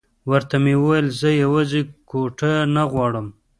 ورته مې وویل زه یوازې کوټه نه غواړم.